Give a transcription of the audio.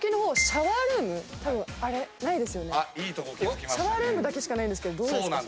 シャワールームだけしかないんですけどどうですか？